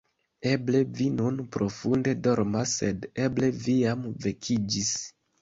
Eble vi nun profunde dormas, sed eble vi jam vekiĝis.